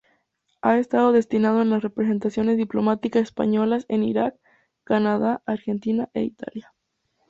Ha estado destinado en las representaciones diplomáticas españolas en Irak, Canadá, Argelia e Italia.